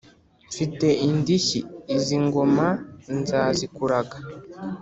mfite indishyi, izi ngoma nzazikuraga!”